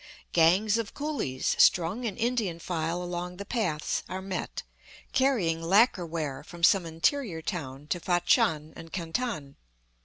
Gangs of coolies, strung in Indian file along the paths, are met, carrying lacquer ware from some interior town to Fat shau and Canton.